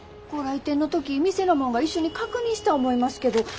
ご来店の時店の者が一緒に確認した思いますけど。